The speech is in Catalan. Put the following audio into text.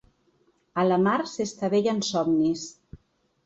A la mar s’estavellen somnis.